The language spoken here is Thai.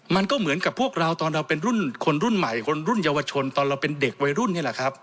มันก็เหมือนกับพวกเราตอนเราเป็นรุ่นคนรุ่นใหม่คนรุ่นเยาวชนตอนเราเป็นเด็กวัยรุ่นนี่แหละครับ